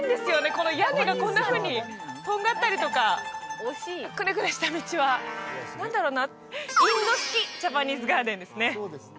この屋根がこんなふうにとんがったりとかくねくねした道は何だろうなインド式ジャパニーズガーデンですね